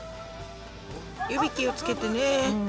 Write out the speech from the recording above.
指気を付けてね。